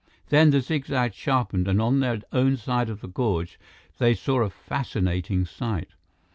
Then, the zigzag sharpened, and on their own side of the gorge, they saw a fascinating sight.